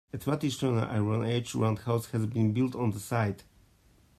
A traditional Iron Age roundhouse has been built on the site.